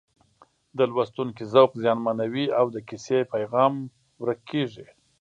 د لوستونکي ذوق زیانمنوي او د کیسې پیغام ورک کېږي